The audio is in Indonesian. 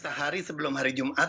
sehari sebelum hari jumat